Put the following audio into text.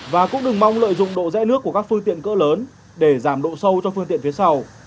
và cũng đừng mong lợi dụng độ rẽ nước của các phương tiện cỡ lớn để giảm độ sâu cho phương tiện phía sau